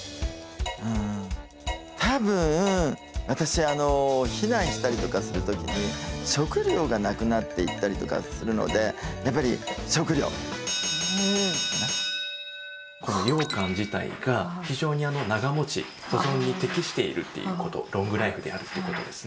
うん多分私避難したりとかする時に食料がなくなっていったりとかするのでやっぱりこのようかん自体が非常に長もち保存に適しているということロングライフであるということですね。